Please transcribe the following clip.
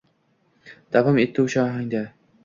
davom etdi o‘sha ohangda